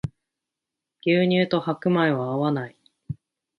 牛乳と白米は合わない